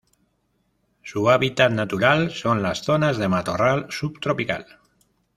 Su hábitat natural son las zonas de matorral subtropical.